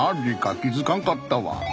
気付かんかったわ。